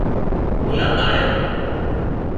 اولاد آليان